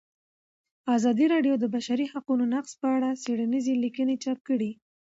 ازادي راډیو د د بشري حقونو نقض په اړه څېړنیزې لیکنې چاپ کړي.